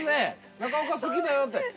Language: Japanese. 中岡好きだよって。